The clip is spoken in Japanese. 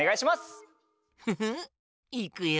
フフッいくよ。